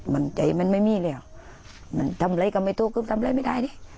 มันใจมันไม่มีแล้วมันทำอะไรก็ไม่ถูกคือทำอะไรไม่ได้นี่